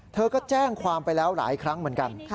เธอก็แจ้งความไปแล้วหลายครั้งเหมือนกัน